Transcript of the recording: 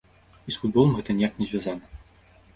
І з футболам гэта ніяк не звязана.